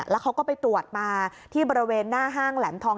แล้วเขาก็ไปตรวจมาที่บริเวณหน้าห้างแหลมทอง